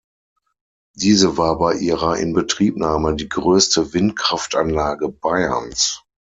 Diese war bei ihrer Inbetriebnahme die größte Windkraftanlage Bayerns.